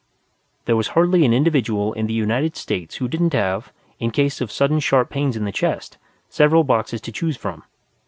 There was hardly an individual in the United States who didn't have, in case of sudden sharp pains in the chest, several boxes to choose from.